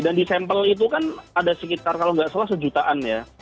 dan di sampel itu kan ada sekitar kalau nggak salah sejutaan ya